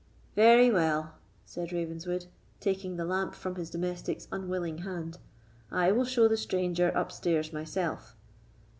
"Very well," said Ravenswood, taking the lamp from his domestic's unwilling hand, "I will show the stranger upstairs myself."